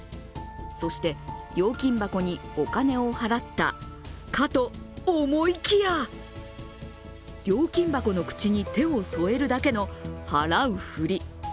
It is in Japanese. そして料金箱にお金を払ったかと思いきや料金箱の口に手を添えるだけの払うふり。